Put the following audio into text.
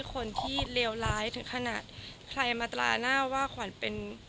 คนที่เลวร้ายถึงขนาดใครมาตราหน้าว่าขวัญเป็น